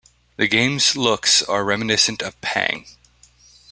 The game's looks are reminiscent of "Pang".